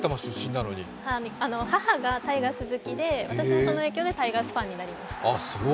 母がタイガース好きで私もその影響でタイガースファンになりました。